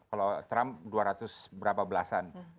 kalau trump dua ratus berapa belasan